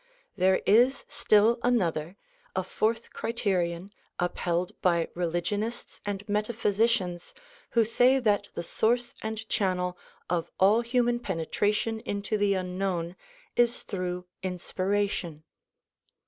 There is still another, a fourth criterion upheld by religionists and metaphysicians who say that the source and channel of all human penetration into the unknown is through inspiration.